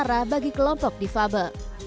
cara bagi kelompok difabel